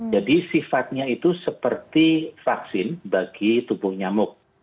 jadi sifatnya itu seperti vaksin bagi tubuh nyamuk